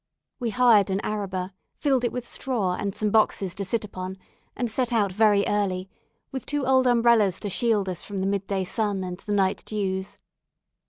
We hired an araba, filled it with straw, and some boxes to sit upon, and set out very early, with two old umbrellas to shield us from the mid day sun and the night dews.